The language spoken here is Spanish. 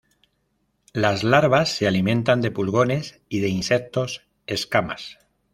Las larvas se alimentan de pulgones y de insectos escamas.